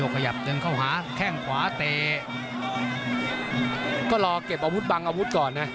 ขยับเดินเข้าหาแข้งขวาเตะก็รอเก็บอาวุธบังอาวุธก่อนนะ